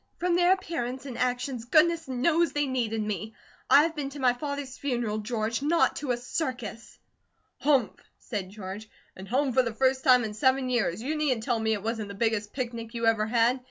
"From their appearance and actions, goodness knows they needed me. I have been to my father's funeral, George; not to a circus." "Humph!" said George. "And home for the first time in seven years. You needn't tell me it wasn't the biggest picnic you ever had!